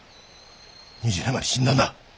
２０年前に死んだんだ。